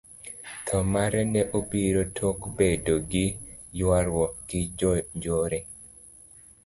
Thoo mare ne obiro tok bedo gi yuaruok gi jonjore.